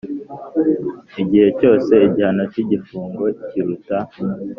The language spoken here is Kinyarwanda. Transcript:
Igihe cyose igihano cy igifungo kiruta